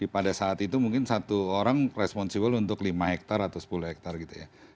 pada saat itu mungkin satu orang responsible untuk lima hektar atau sepuluh hektare gitu ya